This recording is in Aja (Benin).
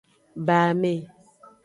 Ba ame.